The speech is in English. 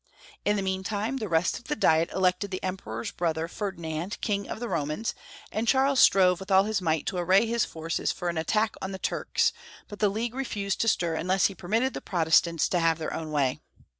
In the meantime the rest of the diet elected the Emperor's brother, Ferdinand, King of the Romans, and Charles strove with all liis might to array his forces for an attack on the Turks, but the league refused to stir unless he permitted the Protestants to have their own way.